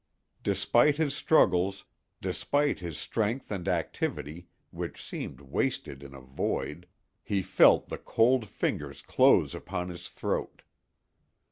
Despite his struggles—despite his strength and activity, which seemed wasted in a void, he felt the cold fingers close upon his throat.